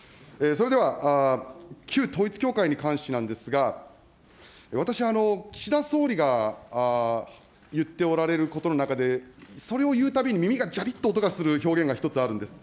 それでは、旧統一教会に関してなんですが、私、岸田総理が言っておられることの中で、それを言うたびに耳が、じゃりっと音がする表現が１つあるんです。